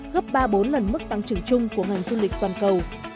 gấp ba bốn lần mức tăng trưởng chung của ngành du lịch toàn cầu